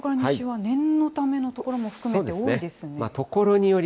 結構、東京から西は念のための所も含めて多いですね。